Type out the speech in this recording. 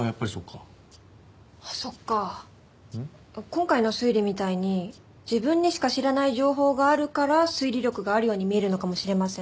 今回の推理みたいに自分にしか知らない情報があるから推理力があるように見えるのかもしれませんね。